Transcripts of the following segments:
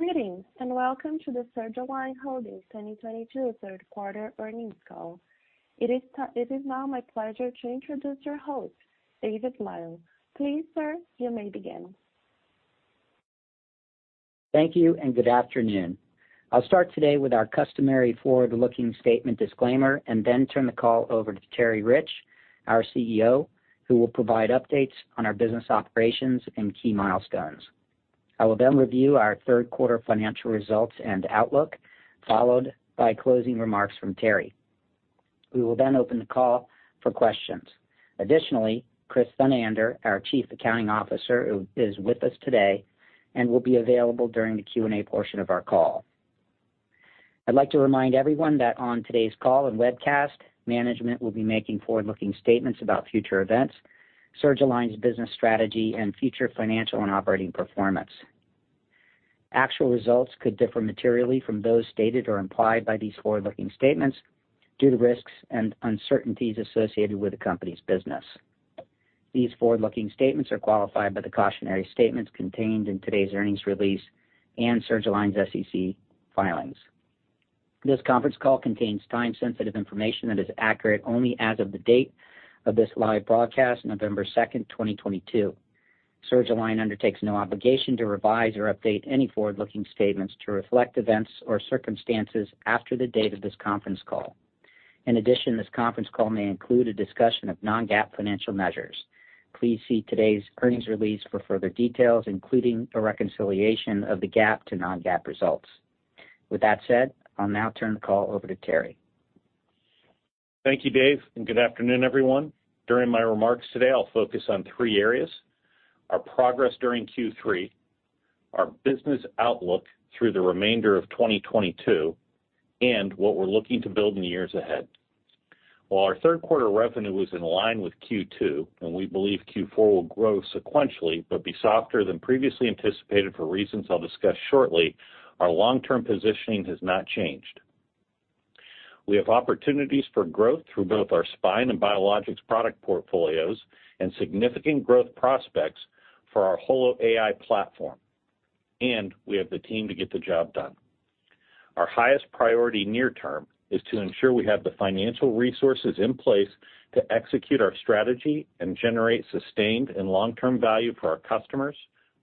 Greetings, and welcome to the Surgalign Holdings 2022 third quarter earnings call. It is now my pleasure to introduce your host, David Lyle. Please, sir, you may begin. Thank you, and good afternoon. I'll start today with our customary forward-looking statement disclaimer and then turn the call over to Terry Rich, our CEO, who will provide updates on our business operations and key milestones. I will then review our third quarter financial results and outlook, followed by closing remarks from Terry. We will then open the call for questions. Additionally, Christopher Thunander, our Chief Accounting Officer, who is with us today and will be available during the Q&A portion of our call. I'd like to remind everyone that on today's call and webcast, management will be making forward-looking statements about future events, Surgalign's business strategy, and future financial and operating performance. Actual results could differ materially from those stated or implied by these forward-looking statements due to risks and uncertainties associated with the company's business. These forward-looking statements are qualified by the cautionary statements contained in today's earnings release and Surgalign's SEC filings. This conference call contains time-sensitive information that is accurate only as of the date of this live broadcast, November 2nd, 2022. Surgalign undertakes no obligation to revise or update any forward-looking statements to reflect events or circumstances after the date of this conference call. In addition, this conference call may include a discussion of non-GAAP financial measures. Please see today's earnings release for further details, including a reconciliation of the GAAP to non-GAAP results. With that said, I'll now turn the call over to Terry. Thank you, David, and good afternoon, everyone. During my remarks today, I'll focus on three areas, our progress during Q3, our business outlook through the remainder of 2022, and what we're looking to build in the years ahead. While our third quarter revenue was in line with Q2, and we believe Q4 will grow sequentially but be softer than previously anticipated for reasons I'll discuss shortly, our long-term positioning has not changed. We have opportunities for growth through both our spine and biologics product portfolios and significant growth prospects for our HOLO AI platform. We have the team to get the job done. Our highest priority near term is to ensure we have the financial resources in place to execute our strategy and generate sustained and long-term value for our customers,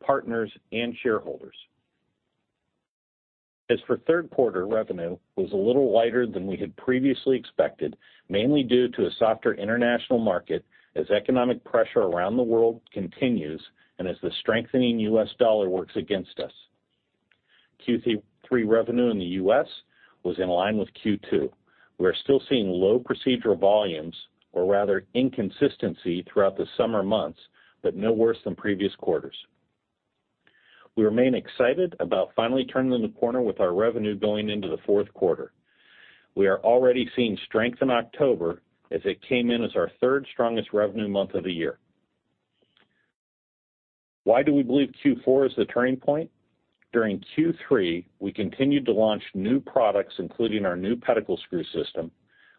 partners, and shareholders. As for third quarter revenue, it was a little lighter than we had previously expected, mainly due to a softer international market as economic pressure around the world continues and as the strengthening U.S. dollar works against us. Q3 revenue in the U.S. was in line with Q2. We're still seeing low procedural volumes or rather inconsistency throughout the summer months, but no worse than previous quarters. We remain excited about finally turning the corner with our revenue going into the fourth quarter. We are already seeing strength in October as it came in as our third strongest revenue month of the year. Why do we believe Q4 is the turning point? During Q3, we continued to launch new products, including our new pedicle screw system.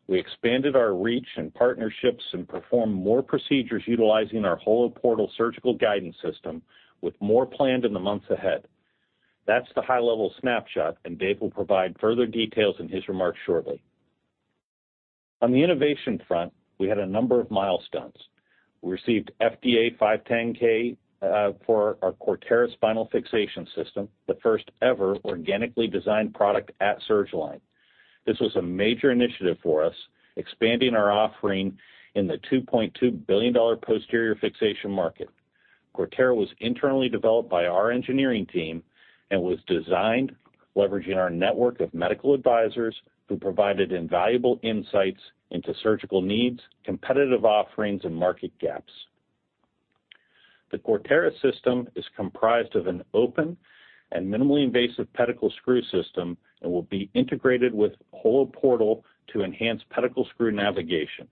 We expanded our reach and partnerships and performed more procedures utilizing our HOLO Portal surgical guidance system, with more planned in the months ahead. That's the high-level snapshot, and Dave will provide further details in his remarks shortly. On the innovation front, we had a number of milestones. We received FDA 510(k) for our Cortera spinal fixation system, the first ever organically designed product at Surgalign. This was a major initiative for us, expanding our offering in the $2.2 billion posterior fixation market. Cortera was internally developed by our engineering team and was designed leveraging our network of medical advisors who provided invaluable insights into surgical needs, competitive offerings, and market gaps. The Cortera system is comprised of an open and minimally invasive pedicle screw system and will be integrated with HOLO Portal to enhance pedicle screw navigation.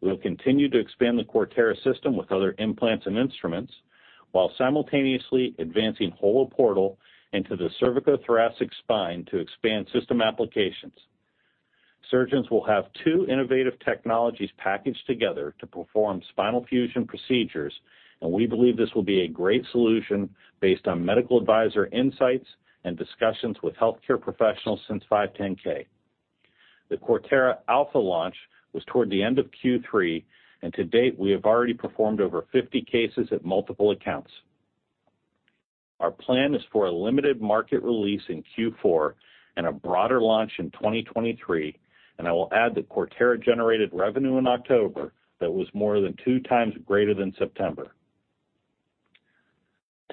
We'll continue to expand the Cortera system with other implants and instruments while simultaneously advancing HOLO Portal into the cervicothoracic spine to expand system applications. Surgeons will have two innovative technologies packaged together to perform spinal fusion procedures, and we believe this will be a great solution based on medical advisor insights and discussions with healthcare professionals since 510(k). The Cortera alpha launch was toward the end of Q3, and to date, we have already performed over 50 cases at multiple accounts. Our plan is for a limited market release in Q4 and a broader launch in 2023, and I will add that Cortera generated revenue in October that was more than 2 times greater than September.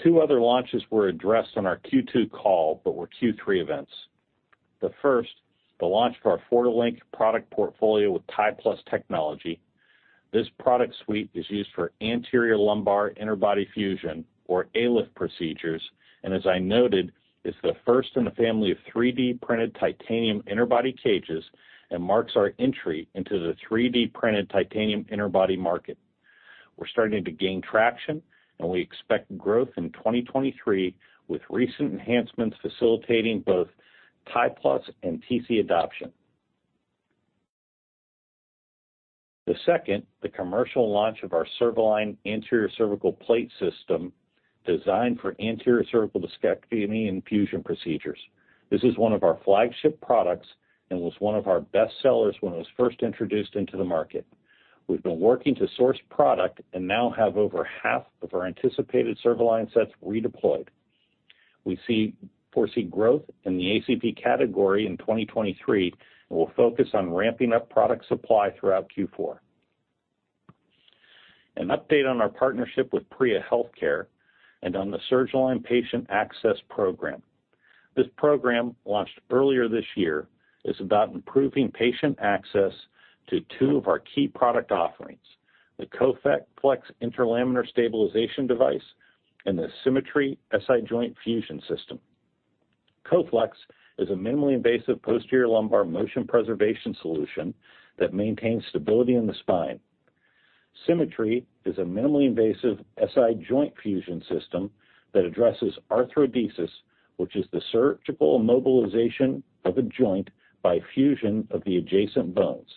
Two other launches were addressed on our Q2 call but were Q3 events. The first, the launch of our Fortilink product portfolio with TiPlus technology. This product suite is used for anterior lumbar interbody fusion or ALIF procedures, and as I noted, it's the first in the family of 3D printed titanium interbody cages and marks our entry into the 3D printed titanium interbody market. We're starting to gain traction, and we expect growth in 2023 with recent enhancements facilitating both TiPlus and TC adoption. The second, the commercial launch of our CervAlign anterior cervical plate system designed for anterior cervical discectomy and fusion procedures. This is one of our flagship products and was one of our best sellers when it was first introduced into the market. We've been working to source product and now have over half of our anticipated CervAlign sets redeployed. We foresee growth in the ACP category in 2023, and we'll focus on ramping up product supply throughout Q4. An update on our partnership with PRIA Healthcare and on the Surgalign Patient Access Program. This program, launched earlier this year, is about improving patient access to two of our key product offerings, the Coflex interlaminar stabilization device and the SImmetry SI joint fusion system. Coflex is a minimally invasive posterior lumbar motion preservation solution that maintains stability in the spine. SImmetry is a minimally invasive SI joint fusion system that addresses arthrodesis, which is the surgical immobilization of a joint by fusion of the adjacent bones.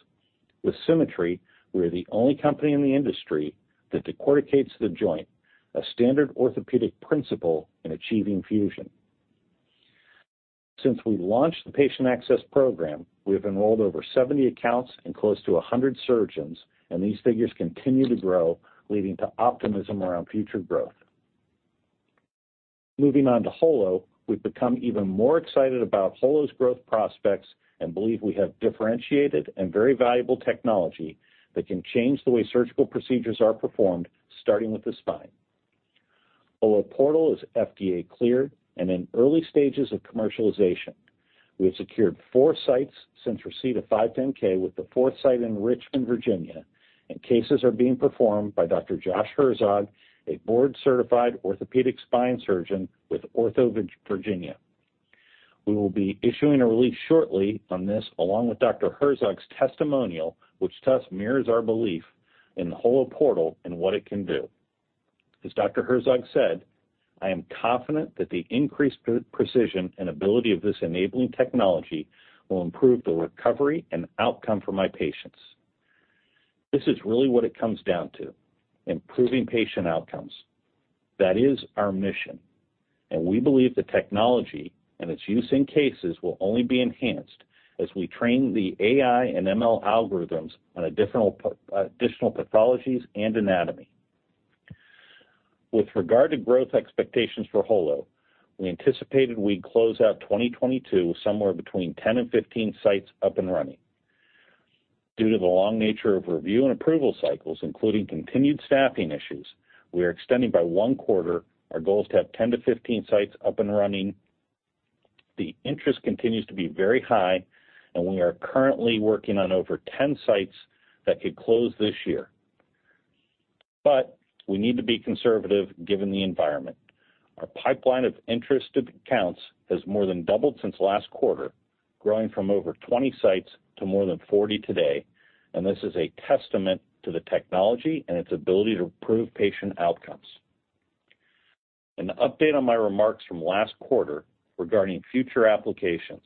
With SImmetry, we are the only company in the industry that decorticates the joint, a standard orthopedic principle in achieving fusion. Since we launched the patient access program, we have enrolled over 70 accounts and close to 100 surgeons, and these figures continue to grow, leading to optimism around future growth. Moving on to HOLO, we've become even more excited about HOLO's growth prospects and believe we have differentiated and very valuable technology that can change the way surgical procedures are performed, starting with the spine. HOLO Portal is FDA cleared and in early stages of commercialization. We have secured four sites since receipt of 510(k) with the fourth site in Richmond, Virginia, and cases are being performed by Dr. Josh Herzog, a board-certified orthopedic spine surgeon with OrthoVirginia. We will be issuing a release shortly on this along with Dr. Herzog's testimonial, which to us mirrors our belief in the HOLO Portal and what it can do. As Dr. Herzog said, "I am confident that the increased precision and ability of this enabling technology will improve the recovery and outcome for my patients." This is really what it comes down to, improving patient outcomes. That is our mission, and we believe the technology and its use in cases will only be enhanced as we train the AI and ML algorithms on additional pathologies and anatomy. With regard to growth expectations for HOLO, we anticipated we'd close out 2022 somewhere between 10 and 15 sites up and running. Due to the long nature of review and approval cycles, including continued staffing issues, we are extending by one quarter. Our goal is to have 10 to 15 sites up and running. The interest continues to be very high, and we are currently working on over 10 sites that could close this year. We need to be conservative given the environment. Our pipeline of interested accounts has more than doubled since last quarter, growing from over 20 sites to more than 40 today, and this is a testament to the technology and its ability to improve patient outcomes. An update on my remarks from last quarter regarding future applications.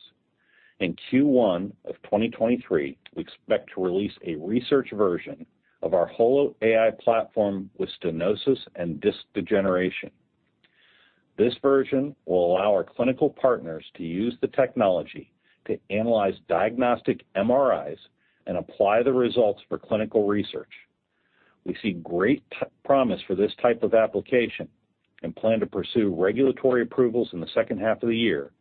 In Q1 of 2023, we expect to release a research version of our HOLO AI platform with stenosis and disc degeneration. This version will allow our clinical partners to use the technology to analyze diagnostic MRIs and apply the results for clinical research. We see great promise for this type of application and plan to pursue regulatory approvals in the second half of the year,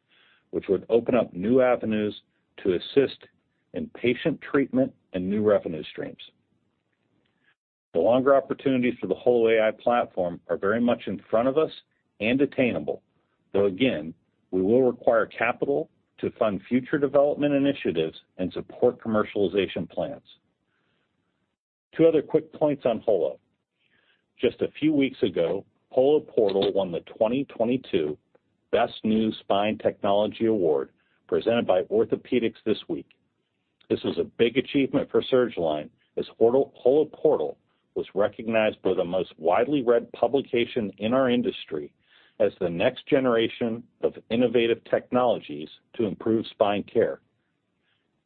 which would open up new avenues to assist in patient treatment and new revenue streams. The longer opportunities for the HOLO AI platform are very much in front of us and attainable, though again, we will require capital to fund future development initiatives and support commercialization plans. Two other quick points on Holo. Just a few weeks ago, HOLO Portal won the 2022 Best New Spine Technology Award presented by Orthopedics This Week. This was a big achievement for Surgalign as HOLO Portal was recognized by the most widely read publication in our industry as the next generation of innovative technologies to improve spine care.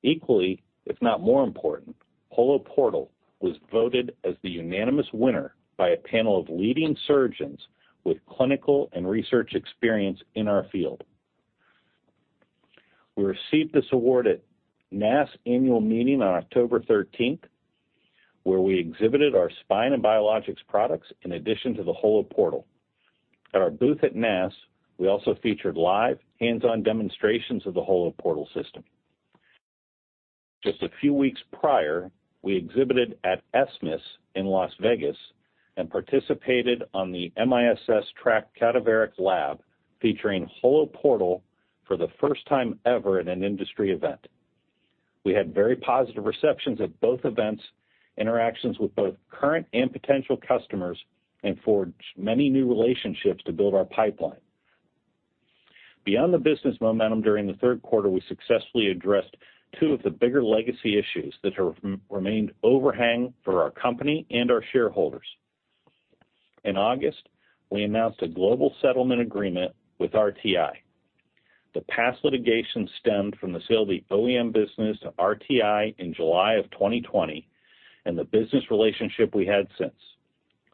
Equally, if not more important, HOLO Portal was voted as the unanimous winner by a panel of leading surgeons with clinical and research experience in our field. We received this award at NASS annual meeting on October thirteenth, where we exhibited our spine and biologics products in addition to the HOLO Portal. At our booth at NASS, we also featured live hands-on demonstrations of the HOLO Portal system. Just a few weeks prior, we exhibited at SMISS in Las Vegas and participated on the MISS track cadaveric lab featuring HOLO Portal for the first time ever in an industry event. We had very positive receptions at both events, interactions with both current and potential customers, and forged many new relationships to build our pipeline. Beyond the business momentum during the third quarter, we successfully addressed two of the bigger legacy issues that remained overhang for our company and our shareholders. In August, we announced a global settlement agreement with RTI. The past litigation stemmed from the sale of the OEM business to RTI in July of 2020, and the business relationship we had since.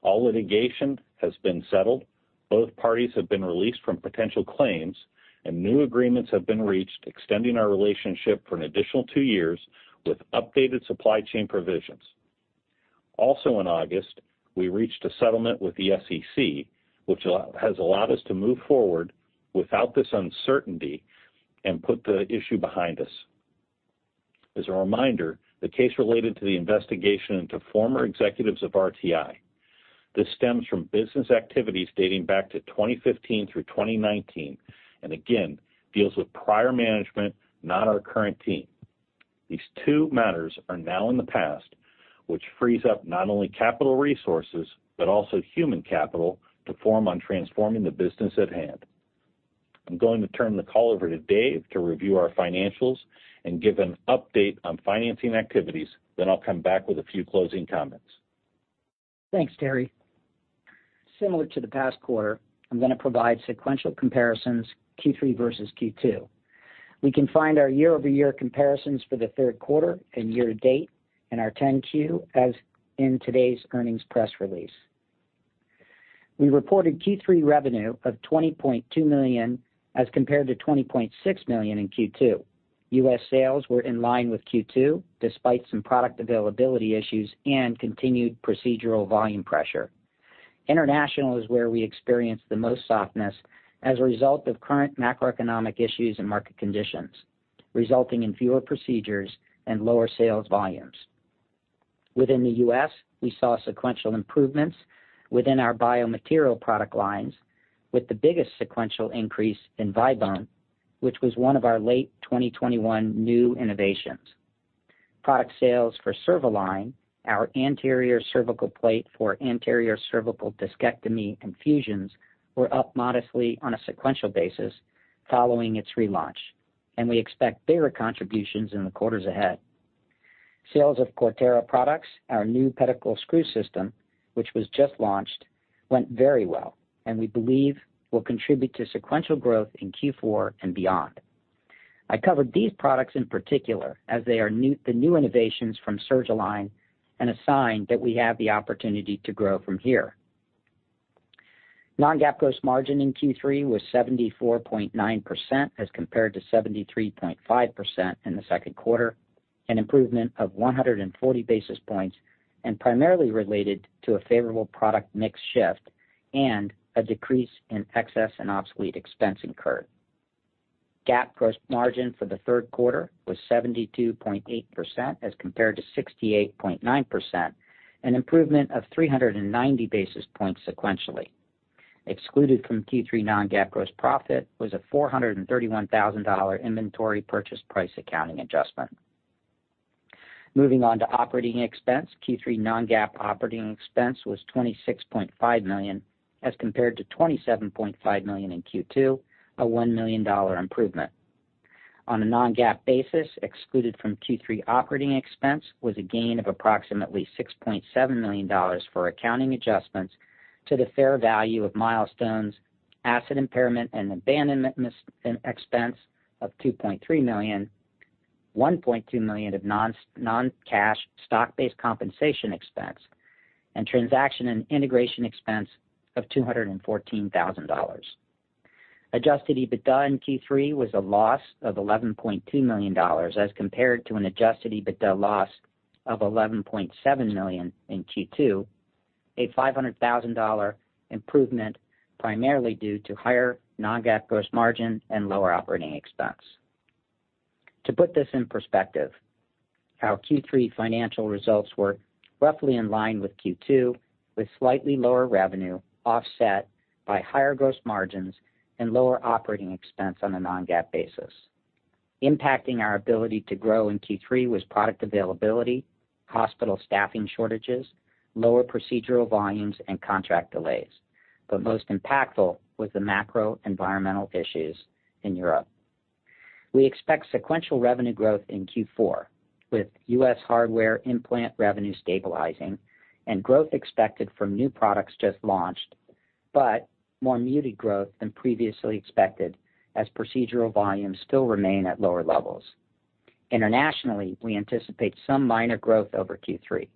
All litigation has been settled. Both parties have been released from potential claims, and new agreements have been reached, extending our relationship for an additional two years with updated supply chain provisions. Also in August, we reached a settlement with the SEC, which has allowed us to move forward without this uncertainty and put the issue behind us. As a reminder, the case related to the investigation into former executives of RTI. This stems from business activities dating back to 2015 through 2019, and again, deals with prior management, not our current team. These two matters are now in the past, which frees up not only capital resources but also human capital to focus on transforming the business at hand. I'm going to turn the call over to Dave to review our financials and give an update on financing activities. I'll come back with a few closing comments. Thanks, Terry. Similar to the past quarter, I'm gonna provide sequential comparisons Q3 versus Q2. We can find our year-over-year comparisons for the third quarter and year to date in our 10-Q, as in today's earnings press release. We reported Q3 revenue of $20.2 million as compared to $20.6 million in Q2. US sales were in line with Q2 despite some product availability issues and continued procedural volume pressure. International is where we experienced the most softness as a result of current macroeconomic issues and market conditions, resulting in fewer procedures and lower sales volumes. Within the US, we saw sequential improvements within our biomaterial product lines, with the biggest sequential increase in ViBone, which was one of our late 2021 new innovations. Product sales for CervAlign, our anterior cervical plate for anterior cervical discectomy and fusions, were up modestly on a sequential basis following its relaunch, and we expect bigger contributions in the quarters ahead. Sales of Cortera products, our new pedicle screw system, which was just launched, went very well and we believe will contribute to sequential growth in Q4 and beyond. I covered these products in particular as they are new innovations from Surgalign and a sign that we have the opportunity to grow from here. Non-GAAP gross margin in Q3 was 74.9% as compared to 73.5% in the second quarter, an improvement of 140 basis points, and primarily related to a favorable product mix shift and a decrease in excess and obsolete expense incurred. GAAP gross margin for the third quarter was 72.8% as compared to 68.9%, an improvement of 390 basis points sequentially. Excluded from Q3 non-GAAP gross profit was a $431,000 inventory purchase price accounting adjustment. Moving on to operating expense. Q3 non-GAAP operating expense was $26.5 million as compared to $27.5 million in Q2, a $1 million improvement. On a non-GAAP basis, excluded from Q3 operating expense was a gain of approximately $6.7 million for accounting adjustments to the fair value of milestones, asset impairment and abandonment expense of $2.3 million, $1.2 million of non-cash stock-based compensation expense, and transaction and integration expense of $214,000. Adjusted EBITDA in Q3 was a loss of $11.2 million as compared to an adjusted EBITDA loss of $11.7 million in Q2, a $500,000 improvement, primarily due to higher non-GAAP gross margin and lower operating expense. To put this in perspective, our Q3 financial results were roughly in line with Q2, with slightly lower revenue offset by higher gross margins and lower operating expense on a non-GAAP basis. Impacting our ability to grow in Q3 was product availability, hospital staffing shortages, lower procedural volumes, and contract delays. Most impactful was the macro environmental issues in Europe. We expect sequential revenue growth in Q4 with U.S. hardware implant revenue stabilizing and growth expected from new products just launched, but more muted growth than previously expected as procedural volumes still remain at lower levels. Internationally, we anticipate some minor growth over Q3.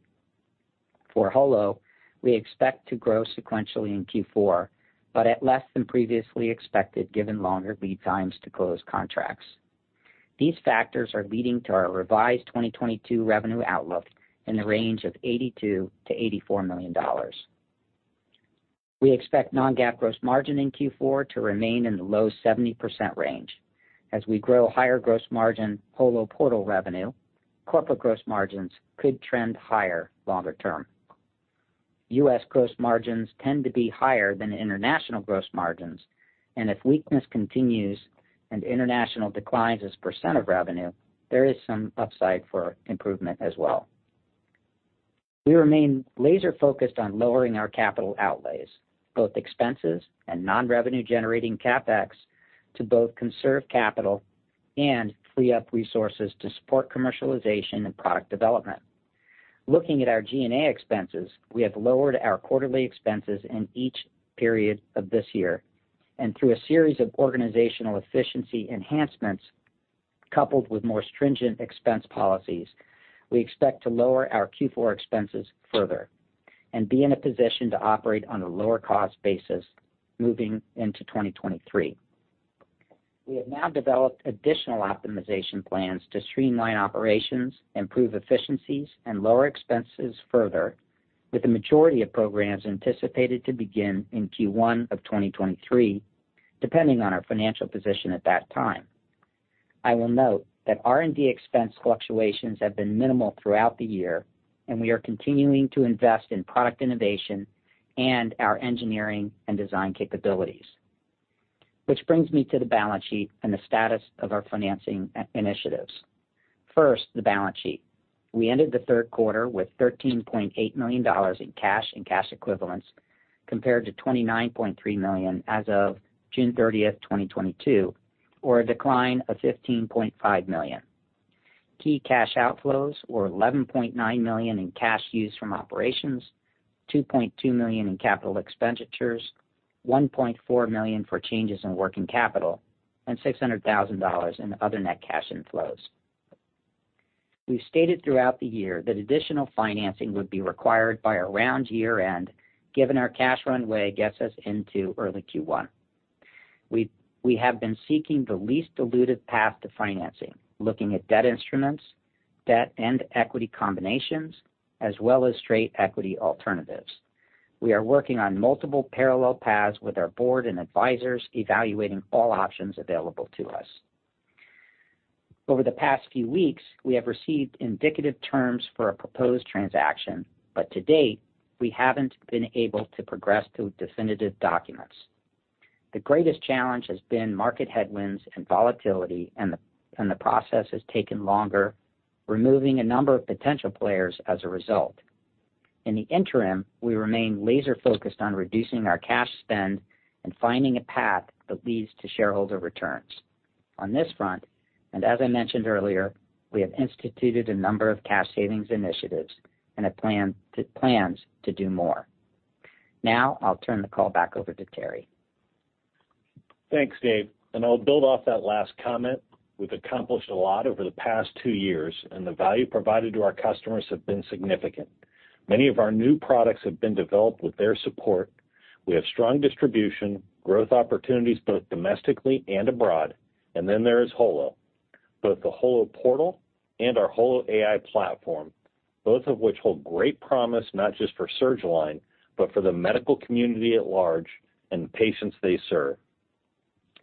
For HOLO, we expect to grow sequentially in Q4, but at less than previously expected, given longer lead times to close contracts. These factors are leading to our revised 2022 revenue outlook in the range of $82 million-$84 million. We expect non-GAAP gross margin in Q4 to remain in the low 70% range. As we grow higher gross margin HOLO Portal revenue, corporate gross margins could trend higher longer term. US gross margins tend to be higher than international gross margins, and if weakness continues and international declines as percent of revenue, there is some upside for improvement as well. We remain laser-focused on lowering our capital outlays, both expenses and non-revenue generating CapEx. To both conserve capital and free up resources to support commercialization and product development. Looking at our G&A expenses, we have lowered our quarterly expenses in each period of this year. Through a series of organizational efficiency enhancements, coupled with more stringent expense policies, we expect to lower our Q4 expenses further and be in a position to operate on a lower cost basis moving into 2023. We have now developed additional optimization plans to streamline operations, improve efficiencies, and lower expenses further, with the majority of programs anticipated to begin in Q1 of 2023, depending on our financial position at that time. I will note that R&D expense fluctuations have been minimal throughout the year, and we are continuing to invest in product innovation and our engineering and design capabilities. Which brings me to the balance sheet and the status of our financing initiatives. First, the balance sheet. We ended the third quarter with $13.8 million in cash and cash equivalents, compared to $29.3 million as of June 30, 2022, or a decline of $15.5 million. Key cash outflows were $11.9 million in cash used from operations, $2.2 million in capital expenditures, $1.4 million for changes in working capital, and $600,000 in other net cash inflows. We've stated throughout the year that additional financing would be required by around year-end, given our cash runway gets us into early Q1. We have been seeking the least dilutive path to financing, looking at debt instruments, debt and equity combinations, as well as straight equity alternatives. We are working on multiple parallel paths with our board and advisors, evaluating all options available to us. Over the past few weeks, we have received indicative terms for a proposed transaction, but to date, we haven't been able to progress to definitive documents. The greatest challenge has been market headwinds and volatility, and the process has taken longer, removing a number of potential players as a result. In the interim, we remain laser-focused on reducing our cash spend and finding a path that leads to shareholder returns. On this front, and as I mentioned earlier, we have instituted a number of cash savings initiatives and plans to do more. Now I'll turn the call back over to Terry. Thanks, Dave. I'll build off that last comment. We've accomplished a lot over the past two years, and the value provided to our customers have been significant. Many of our new products have been developed with their support. We have strong distribution, growth opportunities, both domestically and abroad. Then there is HOLO, both the HOLO Portal and our HOLO AI platform, both of which hold great promise, not just for Surgalign, but for the medical community at large and the patients they serve.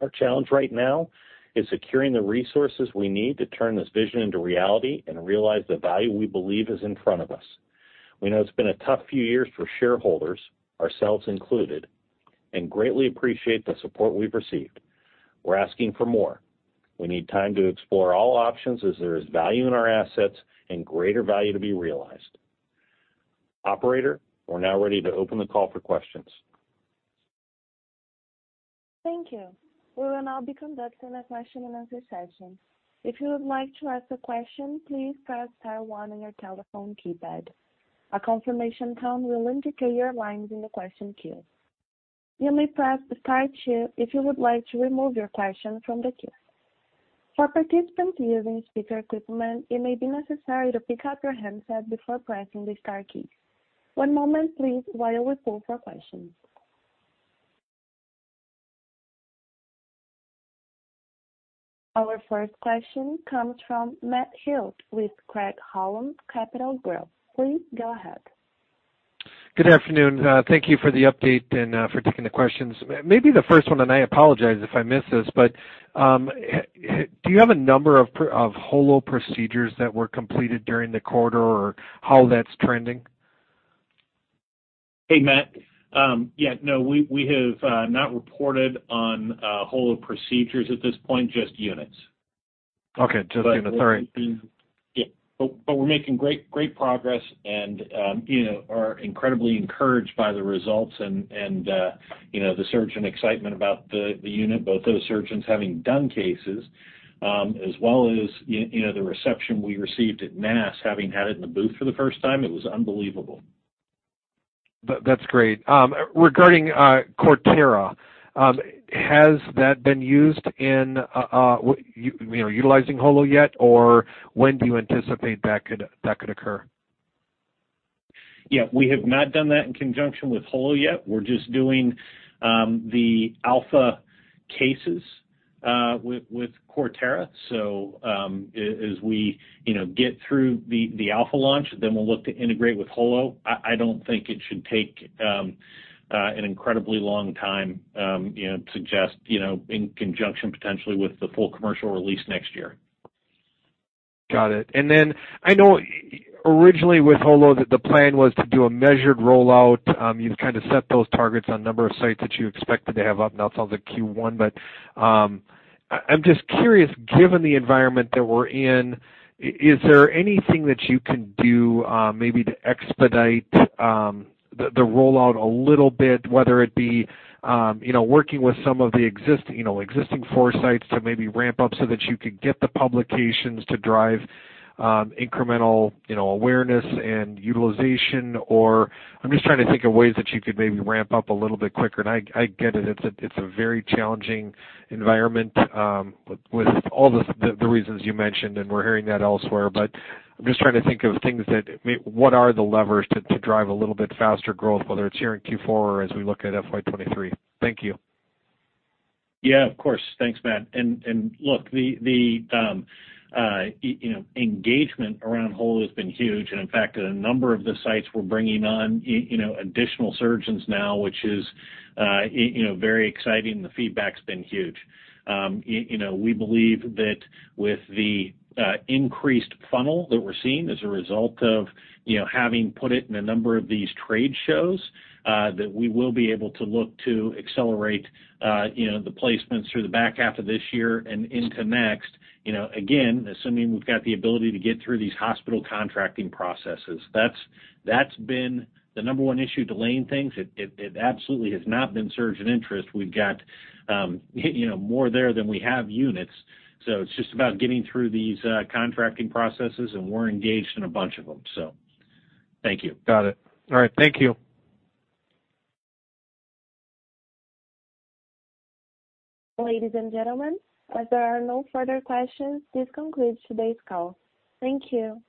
Our challenge right now is securing the resources we need to turn this vision into reality and realize the value we believe is in front of us. We know it's been a tough few years for shareholders, ourselves included, and greatly appreciate the support we've received. We're asking for more. We need time to explore all options as there is value in our assets and greater value to be realized. Operator, we're now ready to open the call for questions. Thank you. We will now be conducting a question-and-answer session. If you would like to ask a question, please press star one on your telephone keypad. A confirmation tone will indicate your line is in the question queue. You may press star two if you would like to remove your question from the queue. For participants using speaker equipment, it may be necessary to pick up your handset before pressing the star keys. One moment please while we poll for questions. Our first question comes from Matt Hewitt with Craig-Hallum Capital Group. Please go ahead. Good afternoon. Thank you for the update and for taking the questions. Maybe the first one, and I apologize if I miss this, but do you have a number of Holo procedures that were completed during the quarter or how that's trending? Hey, Matt. Yeah, no, we have not reported on HOLO procedures at this point, just units. Okay. Sorry. Yeah. We're making great progress and, you know, are incredibly encouraged by the results and, you know, the surgeon excitement about the unit, both those surgeons having done cases, as well as you know, the reception we received at NASS, having had it in the booth for the first time. It was unbelievable. That's great. Regarding Cortera, has that been used in you know, utilizing Holo yet? Or when do you anticipate that could occur? Yeah. We have not done that in conjunction with HOLO yet. We're just doing the alpha cases with Cortera. As we get through the alpha launch, then we'll look to integrate with HOLO. I don't think it should take an incredibly long time, you know, to just, you know, in conjunction potentially with the full commercial release next year. Got it. Then I know you originally with HOLO that the plan was to do a measured rollout. You've kinda set those targets on number of sites that you expected to have up. That sounds like Q1, but I'm just curious, given the environment that we're in, is there anything that you can do, maybe to expedite the rollout a little bit, whether it be, you know, working with some of the existing four sites to maybe ramp up so that you could get the publications to drive incremental, you know, awareness and utilization? Or I'm just trying to think of ways that you could maybe ramp up a little bit quicker. I get it. It's a very challenging environment with all the reasons you mentioned, and we're hearing that elsewhere. I'm just trying to think of things. What are the levers to drive a little bit faster growth, whether it's here in Q4 or as we look at FY 2023. Thank you. Yeah. Of course. Thanks, Matt. You know, engagement around Holo has been huge. In fact, a number of the sites we're bringing on additional surgeons now, which is you know, very exciting. The feedback's been huge. You know, we believe that with the increased funnel that we're seeing as a result of you know, having put it in a number of these trade shows that we will be able to look to accelerate you know, the placements through the back half of this year and into next, you know, again, assuming we've got the ability to get through these hospital contracting processes. That's been the number one issue delaying things. It absolutely has not been surgeon interest. We've got you know, more there than we have units. It's just about getting through these, contracting processes, and we're engaged in a bunch of them. Thank you. Got it. All right. Thank you. Ladies and gentlemen, as there are no further questions, this concludes today's call. Thank you.